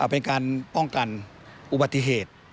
เป็นการป้องกันอุบัติเหตุ